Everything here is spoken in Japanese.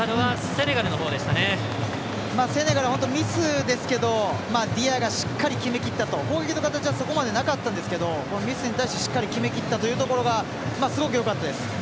セネガルは本当にミスですけどディアが、しっかり決めきったと攻撃の形はそこまでなかったですけどミスに対してしっかり決めたというところがすごくよかったです。